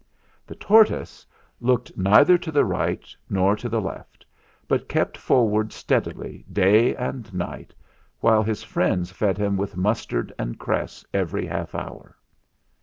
The tortoise looked neither to the right nor to the left; but kept forward steadily day and night, while his friends fed him with mustard and cress every half hour.